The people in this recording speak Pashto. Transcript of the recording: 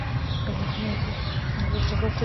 افغانستان د مزارشریف په برخه کې نړیوال شهرت لري.